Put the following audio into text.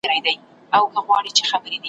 چي سبا او بله ورځ اوبه وچیږي `